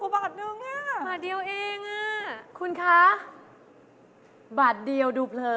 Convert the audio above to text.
บ๊ายบาย